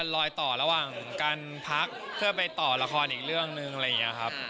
รอยต่อระหว่างการพักเพื่อไปต่อละครอีกเรื่องหนึ่งอะไรอย่างนี้ครับ